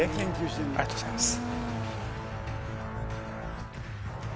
ありがとうございます